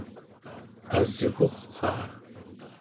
asguraa